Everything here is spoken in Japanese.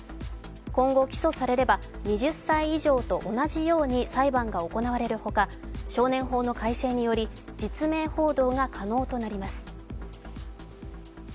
今後、起訴されれば２０歳以上と同じように裁判が行われるほか、少年法の改正により、実名報道が可能となります。